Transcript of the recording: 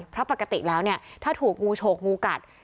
เพราะปกติแล้วเนี่ยถ้าถูกงูโฉกงูกัด